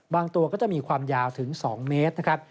ตัวก็จะมีความยาวถึง๒เมตรนะครับ